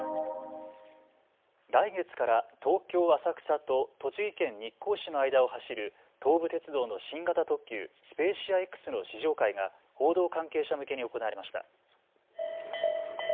来月から東京浅草と栃木県日光市の間を走る東武鉄道の新型特急、スペーシアＸの試乗会が報道関係者向けに行われました。